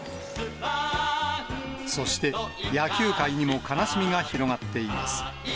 そして、野球界にも悲しみが広がっています。